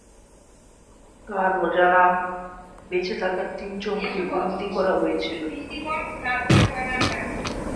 তাঁর অজানা, বেঁচে থাকা তিনজনকে বন্দী করা হয়েছিল।